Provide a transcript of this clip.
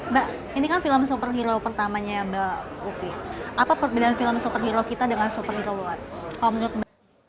mbak ini kan film superhero pertamanya ya mbak upi apa perbedaan film superhero kita dengan superhero luar